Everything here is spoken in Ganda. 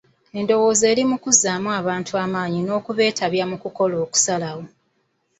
Endowooza eri ku kuzzaamu bantu maanyi n'okubeetabya mu kukola okusalawo.